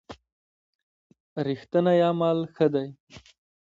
رښتوني عمل ښه دی.